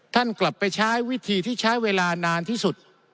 ท่านกลับไปใช้วิธีที่ใช้เวลานานที่สุด